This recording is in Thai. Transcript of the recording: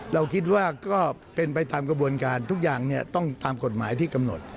เราคิดว่าก็เป็นไปตามกระบวนการทุกอย่างต้องตามกฎหมายที่กำหนด